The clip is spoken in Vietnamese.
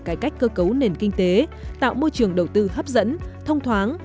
cải cách cơ cấu nền kinh tế tạo môi trường đầu tư hấp dẫn thông thoáng